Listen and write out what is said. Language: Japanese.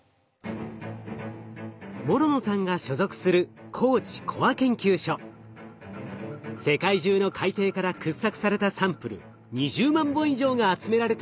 諸野さんが所属する世界中の海底から掘削されたサンプル２０万本以上が集められています。